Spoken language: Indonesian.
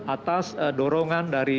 atas dorongan dari